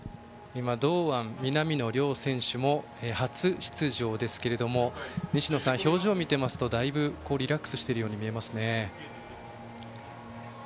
堂安、南野の両選手も初出場ですが表情を見ていますとだいぶリラックスしているように見えますね。